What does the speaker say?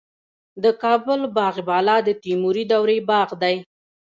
د کابل د باغ بالا د تیموري دورې باغ دی